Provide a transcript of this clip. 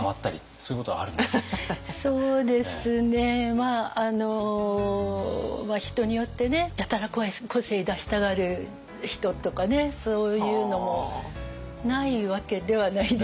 まああの人によってねやたら個性出したがる人とかねそういうのもないわけではないですけど。